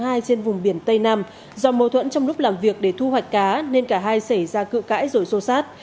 trên vùng biển tây nam do mâu thuẫn trong lúc làm việc để thu hoạch cá nên cả hai xảy ra cự cãi rồi xô sát